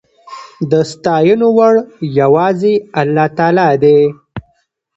د ستاينو وړ يواځې الله تعالی دی